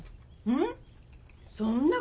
うん。